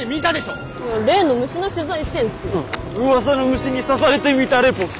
うわさの虫に刺されてみたレポっす。